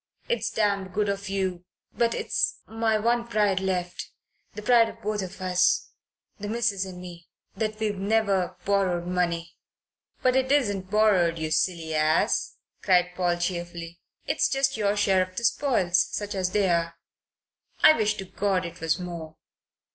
It's damned good of you but it's my one pride left the pride of both of us the missus and me that we've never borrowed money " "But it isn't borrowed, you silly ass," cried Paul cheerfully. "It's just your share of the spoils, such as they are. I wish to God it was more."